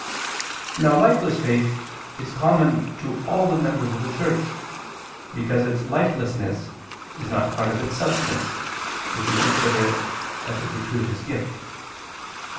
Now lifeless faith is common to all members of the Church, because its lifelessness is not part of its substance, if we consider it as a gratuitous gift.